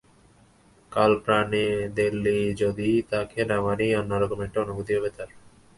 কাল প্রানদেল্লি যদি তাঁকে নামানই, অন্য রকম একটা অনুভূতি হবে তাঁর।